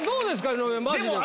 井上マジでこれ。